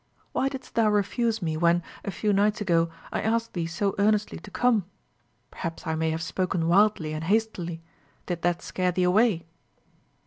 Why didst thou refuse me when, a few nights ago, I asked thee so earnestly to come? Perhaps I may have spoken wildly and hastily. Did that scare thee away?"